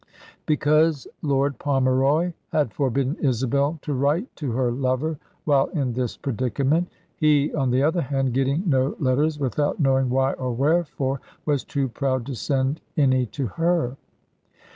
Because Lord Pomeroy had forbidden Isabel to write to her lover, while in this predicament. He, on the other hand, getting no letters, without knowing why or wherefore, was too proud to send any to her.